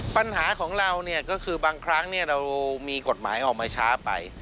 ปัญหาของเราเนี่ยก็คือบางครั้งเรามีกฎหมายออกมาช้าไป